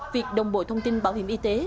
việc đồng bộ thông tin bảo hiểm y tế